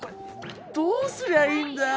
どうすりゃいいんだよ！